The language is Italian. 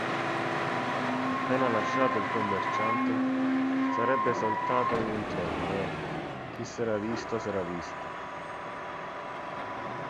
Appena lasciato il commerciante, sarebbe saltato in un treno e chi s'era visto s'era visto.